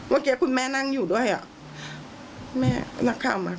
เมื่อกี้คุณแม่นั่งอยู่ด้วยอ่ะแม่นักข้าวมาก